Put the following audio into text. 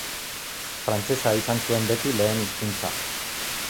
Frantsesa izan zuen beti lehen hizkuntza.